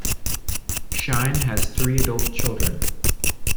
Shine has three adult children.